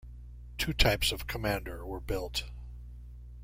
Two types of Commander were built.